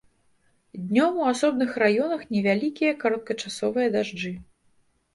Днём у асобных раёнах невялікія кароткачасовыя дажджы.